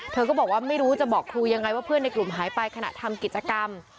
เธอก็บอกว่าไม่รู้จะบอกครูยังไงว่าเพื่อนในกลุ่มหายไปขณะทำกิจกรรม